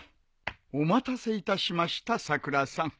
お待たせいたしましたさくらさん。